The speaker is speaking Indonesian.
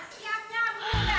siap nyamuk dah